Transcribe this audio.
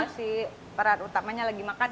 si peran utamanya lagi makan